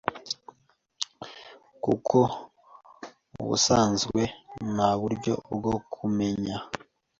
kuko mubusanzwe nta buryo bwo kumenya